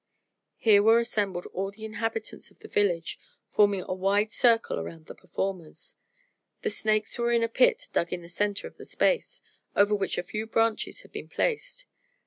Here were assembled all the inhabitants of the village, forming a wide circle around the performers. The snakes were in a pit dug in the center of the space, over which a few branches had been placed.